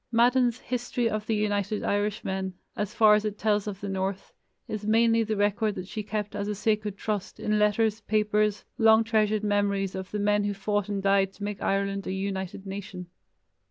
Madden's History of the United Irishmen, as far as it tells of the north, is mainly the record that she kept as a sacred trust in letters, papers, long treasured memories of the men who fought and died to make Ireland a united nation.